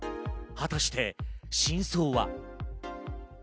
果たして真相は？